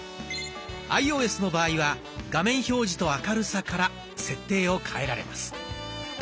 アイオーエスの場合は「画面表示と明るさ」から設定を変えられます。